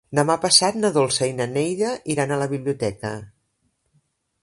Demà passat na Dolça i na Neida iran a la biblioteca.